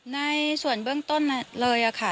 ในส่วนเบื้องต้นเลยค่ะ